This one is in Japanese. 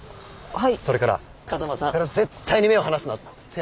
はい。